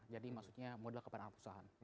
jadi maksudnya modal kepadangan perusahaan